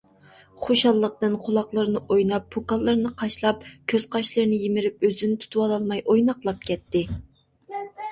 خۇشاللىقتىن قۇلاقلىرىنى ئويناپ، پوكانلىرىنى قاشلاپ، كۆز - قاشلىرىنى يىمىرىپ ئۆزىنى تۇتۇۋالالماي ئويناقلاپ كەتتى.